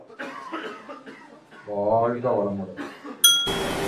மாரியம்மன் வரலாறு திருவள்ளுவரின் மனைவிதான் மாரியம்மன் ஆனாள் என்பது ஒரு கதை.